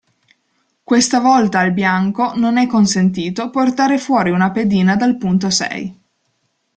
Questa volta al Bianco "non è consentito" portare fuori una pedina dal punto sei.